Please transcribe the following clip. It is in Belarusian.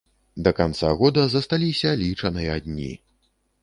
Да канца года засталіся лічаныя дні.